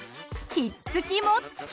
「ひっつきもっつき」。